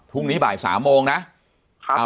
พรุ่งนี้บ่ายสามโมงนะ